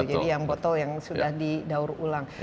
jadi yang botol yang sudah didaur ulang